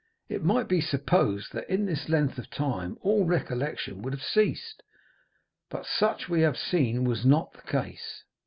It might be supposed that in this length of time all recollection would have ceased, but such we have seen was not the case.